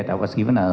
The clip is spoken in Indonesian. ya dan saya diberikan